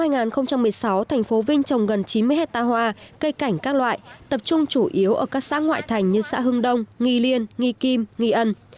năm hai nghìn một mươi sáu thành phố vinh trồng gần chín mươi hectare hoa cây cảnh các loại tập trung chủ yếu ở các xã ngoại thành như xã hưng đông nghi liên nghi kim nghi ân